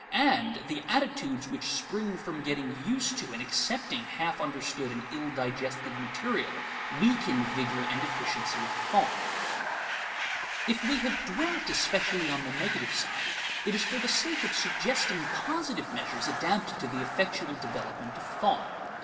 And the attitudes which spring from getting used to and accepting half understood and ill digested material weaken vigor and efficiency of thought. If we have dwelt especially on the negative side, it is for the sake of suggesting positive measures adapted to the effectual development of thought.